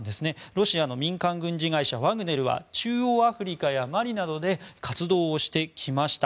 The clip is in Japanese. ロシアの民間軍事会社ワグネルは中央アフリカやマリなどで活動をしてきました。